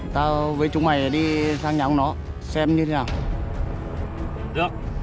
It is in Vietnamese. tao với chúng mày đi sang nhà ông nó xem như thế nào